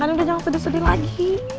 kan lo kejang pedes sedih lagi